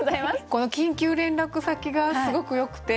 この「緊急連絡先」がすごくよくて。